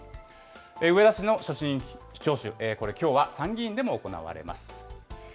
植田氏の所信聴取、これ、きょうは参議院でも行われます。